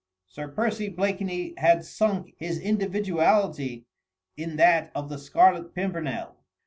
Sir Percy Blakeney had sunk his individuality in that of the Scarlet Pimpernel.